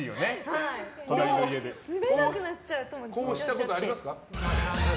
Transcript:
こうしたことありますか？